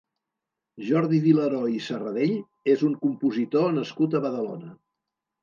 Jordi Vilaró i Sarradell és un compositor nascut a Badalona.